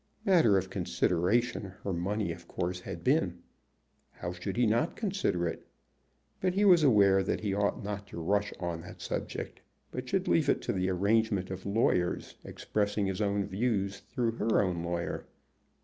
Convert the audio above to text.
Matter of consideration her money of course had been. How should he not consider it? But he was aware that he ought not to rush on that subject, but should leave it to the arrangement of lawyers, expressing his own views through her own lawyer.